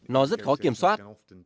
nó rất khó kiểm soát